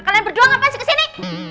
kalian berdua ngapain sih kesini